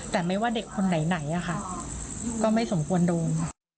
แต่ไม่ว่าเด็กคนไหนอะค่ะก็ไม่สมควรโดน